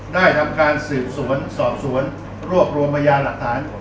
ได้ทำการสืบสวนสอบสวนรวบรวมพยานหลักฐาน